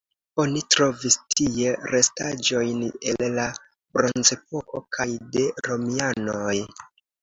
Oni trovis tie restaĵojn el la bronzepoko kaj de romianoj.